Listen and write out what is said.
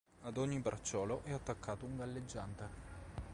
Ad ogni bracciolo è attaccato un galleggiante.